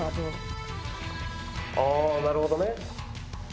あぁなるほどね。